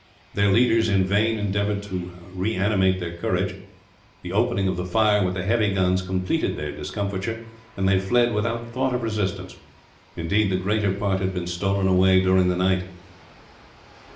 Their leaders in vain endeavoured to reanimate their courage. The opening of the fire with the heavy guns completed their discomfiture, and they fled without thought of resistance. Indeed, the greater part had stolen away during the night.